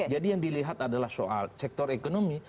jadi yang dilihat adalah soal sektor ekonomi